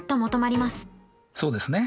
そうですね。